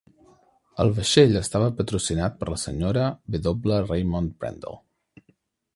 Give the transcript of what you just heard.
El vaixell estava patrocinat per la Sra. W. Raymond Brendel.